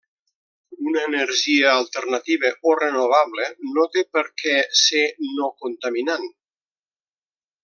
Una energia alternativa o renovable no té per què ser no contaminant.